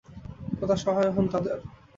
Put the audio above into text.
খোদা সহায় হোন তাদের।